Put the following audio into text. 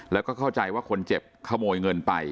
แล้วก็เข้าใจว่าคนเจ็บขโมยเงินไป